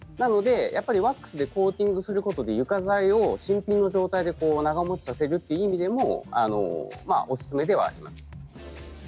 ワックスでコーティングすることで床材を新品の状態で長もちさせるという意味でもおすすめではあります。